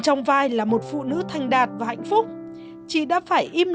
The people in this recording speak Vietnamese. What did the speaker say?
có vị trí học tập